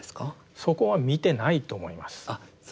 そこは見てないと思います。